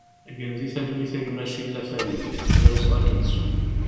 Gen di talwit a gma Cilla Farid, d awezɣi ad k-nettu!